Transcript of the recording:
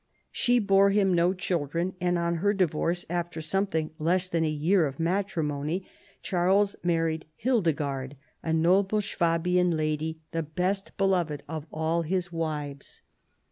She bore him no children, and on her divorce after something less than a year of matrimony, Charles married Hildegard, a noble Swabian lady, the best beloved of all his wives.